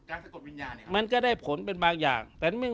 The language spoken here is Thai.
รักษากฏวิญญาณเนี้ยครับมันก็ได้ผลเป็นบางอย่างแต่มัน